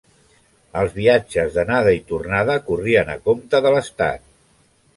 Els viatges d'anada i tornada corrien a compte de l'estat.